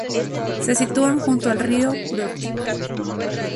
Se sitúa junto al río Prut.